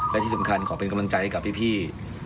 และที่สำคัญขอเป็นกำลังใจให้กับพี่